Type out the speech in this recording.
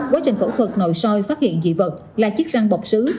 quá trình phẫu thuật nồi soi phát hiện dị vật là chiếc răng bọc sứ